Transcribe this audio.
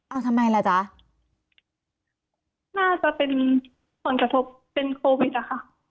เอาทำไมล่ะจ๊ะน่าจะเป็นผลกระทบเป็นโควิดอะค่ะ